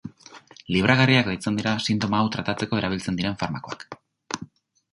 Libragarriak deitzen dira sintoma hau tratatzeko erabiltzen diren farmakoak.